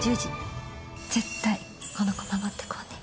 絶対この子、守ってこうね。